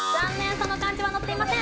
その漢字は載っていません。